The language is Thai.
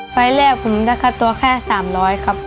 ไฟล์แรกผมได้ค่าตัวแค่๓๐๐ครับ